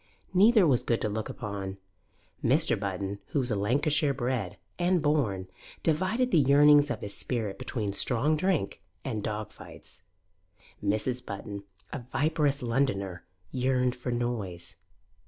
Neither was good to look upon. Mr. Button, who was Lancashire bred and born, divided the yearnings of his spirit between strong drink and dog fights. Mrs. Button, a viperous Londoner, yearned for noise.